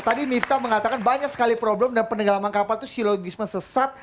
tadi mifta mengatakan banyak sekali problem dan penenggelaman kapal itu silogisme sesat